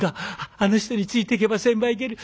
あの人についていけば船場行ける。